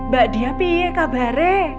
bu diapai kabare